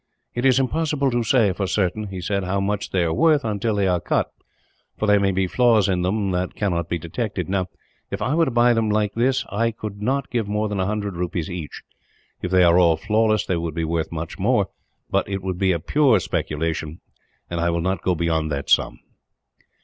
"It is impossible to say, for certain," he said, "how much they are worth until they are cut, for there may be flaws in them that cannot be detected. Now, if I were to buy them like this, I could not give more than a hundred rupees each. If they are all flawless, they would be worth much more; but it would be a pure speculation, and I will not go beyond that sum."